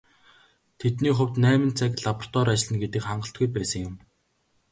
Тэдний хувьд найман цаг лабораторид ажиллана гэдэг хангалтгүй байсан юм.